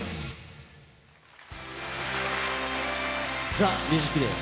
ＴＨＥＭＵＳＩＣＤＡＹ